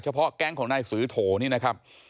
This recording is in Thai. เพาะแก๊งของนายสือโถนี่นะครับ